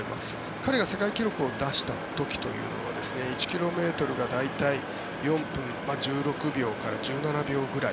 彼が世界記録を出した時というのは１ｋｍが大体４分１６秒から１７秒ぐらい。